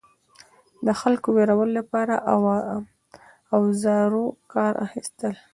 د خلکو د ویرولو لپاره اوزارو کار اخیستل.